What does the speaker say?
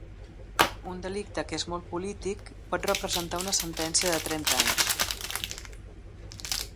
Un delicte que és molt polític pot representar una sentència de trenta anys.